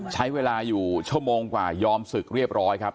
ใช้เวลาอยู่ชั่วโมงกว่ายอมศึกเรียบร้อยครับ